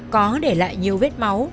có để lại nhiều vết máu